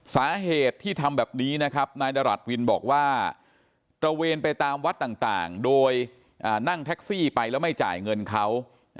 สาเหตุที่ทำแบบนี้นะครับนายดรัฐวินบอกว่าตระเวนไปตามวัดต่างโดยนั่งแท็กซี่ไปแล้วไม่จ่ายเงินเขา